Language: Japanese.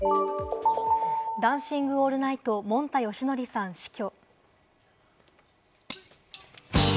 『ダンシング・オールナイト』、もんたよしのりさん死去。